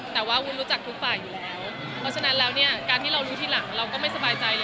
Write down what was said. แต่ว่าวุ้นรู้จักทุกฝ่ายอยู่แล้วเพราะฉะนั้นแล้วเนี่ยการที่เรารู้ทีหลังเราก็ไม่สบายใจเลย